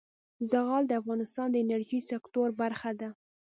زغال د افغانستان د انرژۍ سکتور برخه ده.